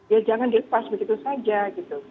ya jangan dilepas begitu saja gitu